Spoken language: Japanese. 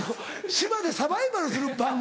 島でサバイバルする番組？